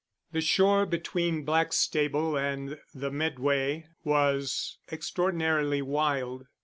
The shore between Blackstable and the Medway was extraordinarily wild.